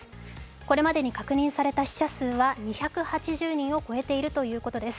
これまでに確認された死者数は２８０人を超えているということです